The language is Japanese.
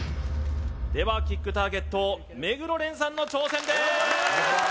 ではキックターゲット目黒蓮さんの挑戦です